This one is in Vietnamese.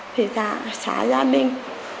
thì ra xá gia đình